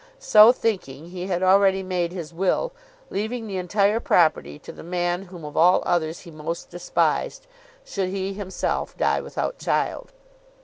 So thinking he had already made his will, leaving the entire property to the man whom of all others he most despised, should he himself die without child.